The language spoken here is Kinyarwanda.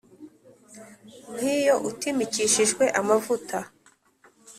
nk’iyo utimikishijwe amavuta